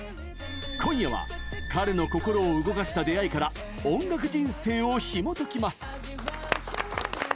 今夜は彼の心を動かした出会いから音楽人生をひもときます！